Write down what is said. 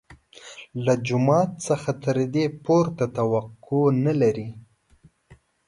له جومات څخه تر دې پورته توقع نه لري.